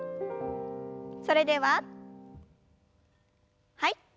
それでははい。